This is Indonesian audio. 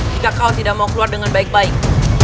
jika kau tidak mau keluar dengan baik baik